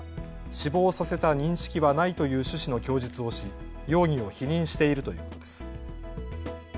死亡させた認識はないという趣旨の供述をし容疑を否認しているということです。